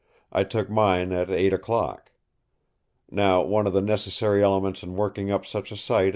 I took mine at eight o'clock. Now, one of the necessary elements in working up such a sight is latitude.